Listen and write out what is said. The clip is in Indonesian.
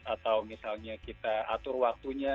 atau misalnya kita atur waktunya